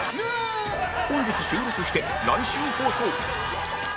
本日収録して来週放送